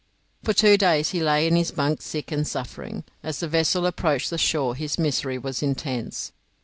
For two days he lay in his bunk sick and suffering. As the vessel approached the shore his misery was intense.